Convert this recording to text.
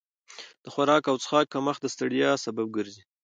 د خوراک او څښاک کمښت د ستړیا سبب ګرځي.